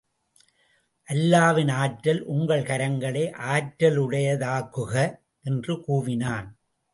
அல்லாவின் ஆற்றல் உங்கள் கரங்களை ஆற்றலுடையதாக்குக? என்று கூவினான்.